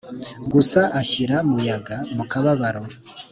gusa ashyira muyaga mu kababaro